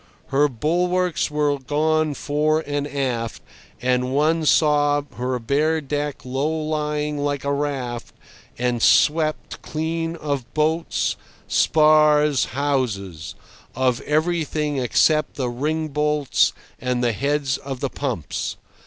Her bulwarks were gone fore and aft, and one saw her bare deck low lying like a raft and swept clean of boats, spars, houses—of everything except the ringbolts and the heads of the pumps.